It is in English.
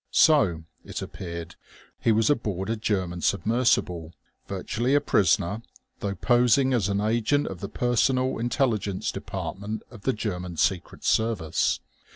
So, it appeared, he was aboard a German submersible, virtually a prisoner, though posing as an agent of the Personal Intelligence Department of the German Secret Service.